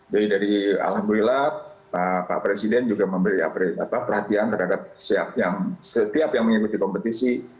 jadi dari alhamdulillah pak presiden juga memberi perhatian terhadap setiap yang mengikuti kompetisi